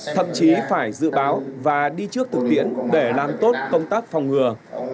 thậm chí phải dự báo và đi trước thực tiễn để làm tốt công tác phòng ngừa